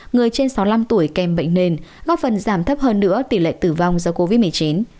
người trên sáu mươi năm tuổi kèm bệnh nền góp phần giảm thấp hơn nữa tỷ lệ tử vong do covid một mươi chín